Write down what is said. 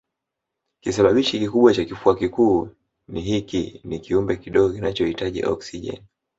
Kisababishi kikubwa cha kifua kikuu ni hiiki ni kiumbe kidogo kinachohitaji oksijeni